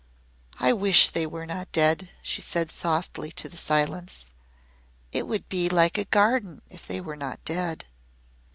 "I wish they were not dead," she said softly to the silence. "It would be like a garden if they were not dead."